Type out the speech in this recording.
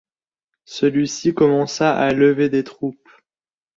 Celui-ci commença à lever des troupes.